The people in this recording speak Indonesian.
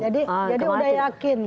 jadi udah yakin